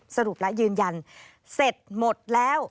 สรุปแล้วยืนยันเสร็จหมดแล้ว